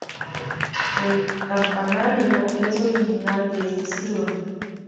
El campanario es original de este siglo.